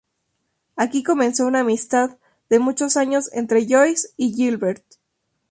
Aquí comenzó una amistad de muchos años entre Joyce y Gilbert.